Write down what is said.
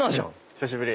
久しぶり。